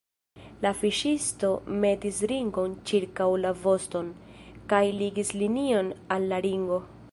La fiŝisto metis ringon ĉirkaŭ la voston, kaj ligis linion al la ringo.